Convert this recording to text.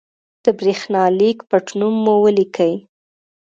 د برېښنالېک پټنوم مو ولیکئ.